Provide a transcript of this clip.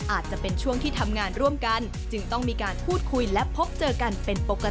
อาจจะเป็นช่วงที่ทำงานร่วมกันจึงต้องมีการพูดคุยและพบเจอกันเป็นปกติ